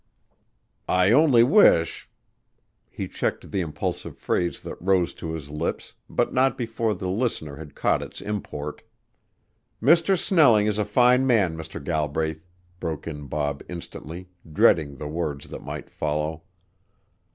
I only wish " He checked the impulsive phrase that rose to his lips but not before the listener had caught its import. "Mr. Snelling is a fine man, Mr. Galbraith," broke in Bob instantly, dreading the words that might follow.